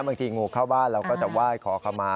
บางทีงูเข้าบ้านเราก็จะว่าขอขมา